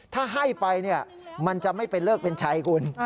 ถ้าให้ไปเนี่ยมันจะไม่เป็นเลิกเป็นชัยคุณ